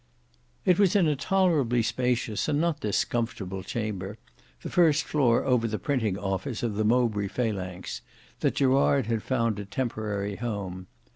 It was in a tolerably spacious and not discomfortable chamber, the first floor over the printing office of the Mowbray Phalanx, that Gerard had found a temporary home.